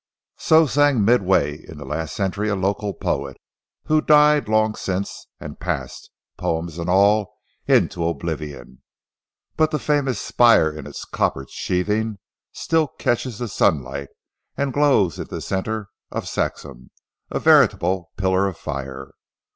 So sang midway in the last century a local poet, who died long since and passed, poems and all, into oblivion. But the famous spire in its copper sheathing still catches the sunlight, and glows in the centre of Saxham, a veritable pillar of fire.